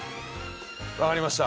分かりました。